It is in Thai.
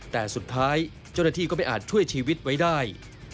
แต่สุดท้ายเจ้าหน้าที่ก็ไม่อาจช่วยชีวิตไว้ได้